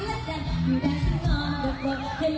อ้าวตกใจเลย